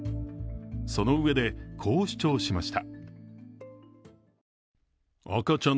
その上で、こう主張しました。